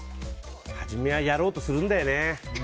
はじめはやろうとするんだよね。